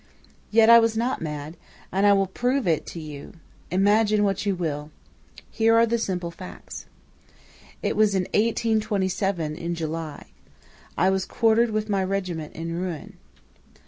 Yet I was not mad, and I will prove it to you. Imagine what you will. Here are the simple facts: "It was in 1827, in July. I was quartered with my regiment in Rouen.